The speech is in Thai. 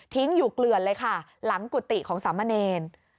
ทิ้งอยู่เกลือลเลยค่ะหลังกุฏติของสามเมนเนย